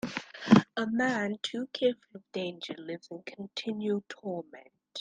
A man too careful of danger lives in continual torment.